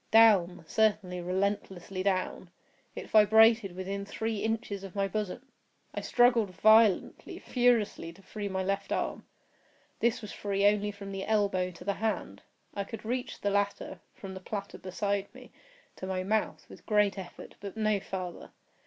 Down—certainly, relentlessly down! It vibrated within three inches of my bosom! I struggled violently, furiously, to free my left arm. This was free only from the elbow to the hand. I could reach the latter, from the platter beside me, to my mouth, with great effort, but no farther.